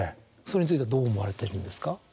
それについてはどう思われてるんですか？